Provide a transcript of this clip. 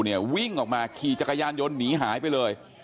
วิ่งออกมาขี่จักรยานยนต์หนีหายไปเลย